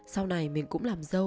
sau này mình cũng làm dâu